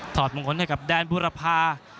อดมงคลให้กับแดนบุรพา